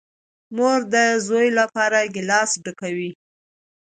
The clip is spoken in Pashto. مور ده زوی لپاره گیلاس ډکوي .